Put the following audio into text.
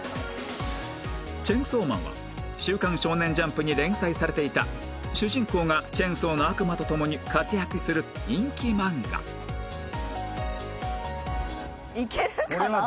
『チェンソーマン』は『週刊少年ジャンプ』に連載されていた主人公がチェンソーの悪魔と共に活躍する人気漫画いけるかな。